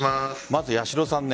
まず、八代さん